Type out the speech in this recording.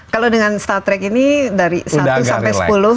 kalo dengan star trek ini dari satu sampe sepuluh